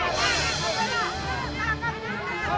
tangan jangan jangan